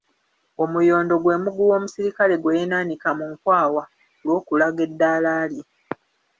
Omuyondo gwe muguwa omusirikale gwe yeenaanika mu nkwawa olw’okulaga eddaala lye.